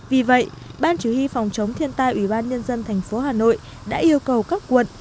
vì vậy ban chủ y phòng chống thiên tai ủy ban nhân dân thành phố hà nội đã yêu cầu các quận